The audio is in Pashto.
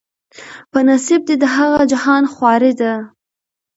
په نصیب دي د هغه جهان خواري ده